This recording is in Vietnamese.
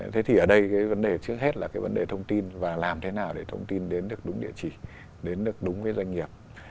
thế thì ở đây cái vấn đề trước hết là cái vấn đề thông tin và làm thế nào để thông tin đến được đúng địa chỉ đến được đúng với doanh nghiệp